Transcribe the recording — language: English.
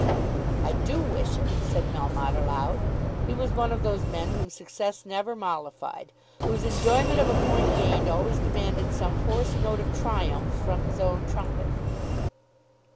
"I do wish it," said Melmotte aloud. He was one of those men whom success never mollified, whose enjoyment of a point gained always demanded some hoarse note of triumph from his own trumpet.